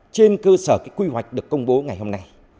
trên cơ sở cái quy hoạch được công bố ngày hôm nay